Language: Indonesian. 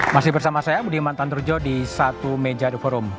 masih bersama saya budi mantan terjo di satu meja the forum